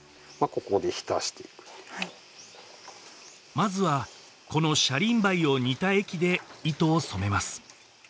まずはこのシャリンバイを煮た液で糸を染めます